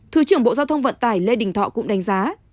thứ trưởng bộ giao thông vận tải lê đình thọ cũng đánh giá